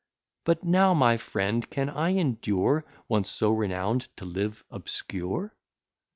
But how, my friend, can I endure, Once so renown'd, to live obscure?